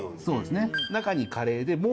そうですね中にカレーで。